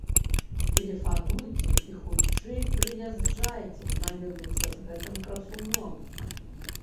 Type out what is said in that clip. Тэлефануйце і хутчэй прыязджайце знаёміцца з гэтым красуном!